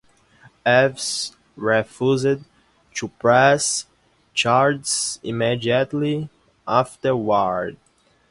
Eves refused to press charges immediately afterward.